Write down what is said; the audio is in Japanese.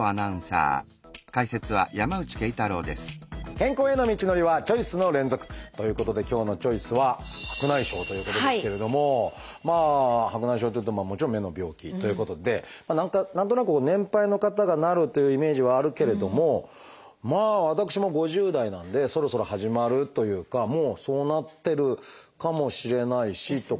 健康への道のりはチョイスの連続！ということで今日の「チョイス」は白内障というともちろん目の病気ということで何となく年配の方がなるというイメージはあるけれどもまあ私も５０代なのでそろそろ始まるというかもうそうなってるかもしれないしとかって。